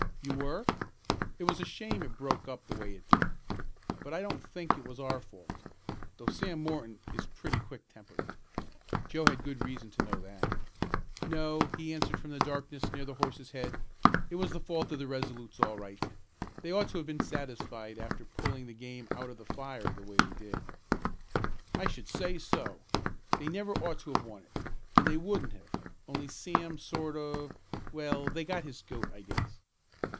"You were? It was a shame it broke up the way it did, but I don't think it was our fault, though Sam Morton is pretty quick tempered." Joe had good reason to know that. "No," he answered from the darkness near the horse's head, "it was the fault of the Resolutes all right. They ought to have been satisfied after pulling the game out of the fire the way they did." "I should say so! They never ought to have won it, and they wouldn't have, only Sam sort of well they got his 'goat' I guess."